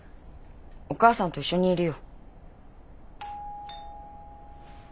お母さんと一緒にいるよ。